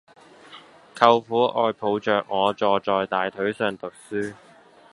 舅父愛抱着我坐在大腿上讀書